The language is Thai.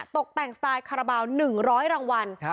ตกแต่งสไตล์คาราบาล๑๐๐รางวัล